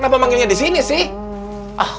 kenapa manggilnya di sini sih